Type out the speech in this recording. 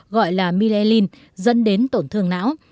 gọi là myelin dẫn đến tổn thương não